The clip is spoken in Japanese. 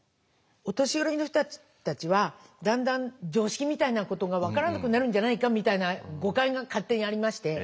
お年寄りの人たちはだんだん常識みたいなことが分からなくなるんじゃないかみたいな誤解が勝手にありまして。